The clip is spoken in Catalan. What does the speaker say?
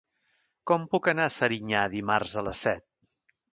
Com puc anar a Serinyà dimarts a les set?